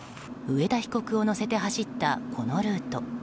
上田被告を乗せて走ったこのルート。